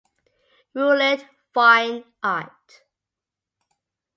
Roulette Fine Art.